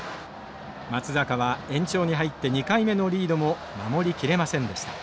松坂は延長に入って２回目のリードも守りきれませんでした。